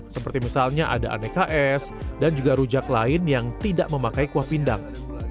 seperti misalnya ada aneka es dan juga rujak lain yang tidak memakai kuah pindang